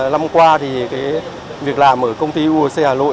lăm qua việc làm ở công ty urc hà nội